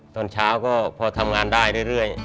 ตอนเช้าก็พอทำงานได้เรื่อย